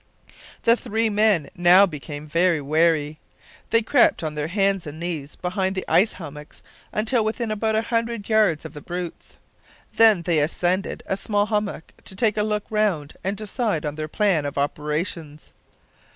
The three men now became very wary. They crept on their hands and knees behind the ice hummocks until within about a hundred yards of the brutes. Then they ascended a small hummock to take a look round and decide on their plan of operations.